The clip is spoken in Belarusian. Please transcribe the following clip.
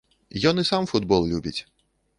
Ён і сам футбол любіць.